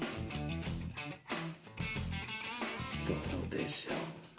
どうでしょう？